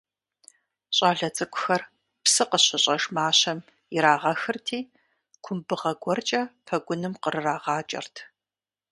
Щӏалэ цӏыкӏухэр псы къыщыщӏэж мащэм ирагъэхырти, кумбыгъэ гуэркӏэ пэгуным кърырагъакӏэрт.